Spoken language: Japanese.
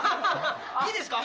いいですか？